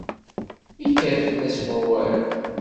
Yekker fell-as wawal.